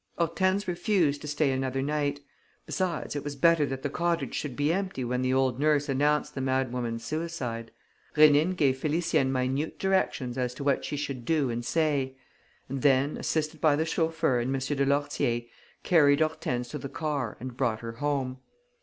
Hortense refused to stay another night. Besides, it was better that the cottage should be empty when the old nurse announced the madwoman's suicide. Rénine gave Félicienne minute directions as to what she should do and say; and then, assisted by the chauffeur and M. de Lourtier, carried Hortense to the car and brought her home.